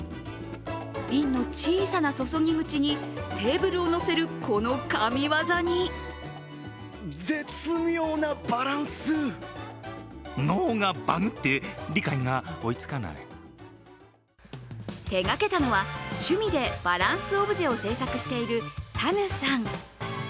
瓶の小さな注ぎ口に、テーブルを載せるこの神業に手がけたのは、趣味でバランスオブジェを制作しているたぬさん。